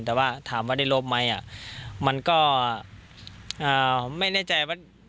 แต่ว่าถามว่าได้ลบไหมมันก็ไม่แน่ใจว่า